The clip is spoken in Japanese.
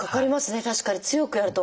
確かに強くやると分かる。